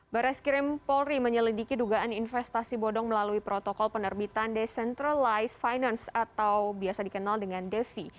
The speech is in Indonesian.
bares krim polri menyelidiki dugaan investasi bodong melalui protokol penerbitan decentralized finance atau biasa dikenal dengan defi